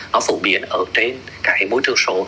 nó phổ biến ở trên cái mối trường số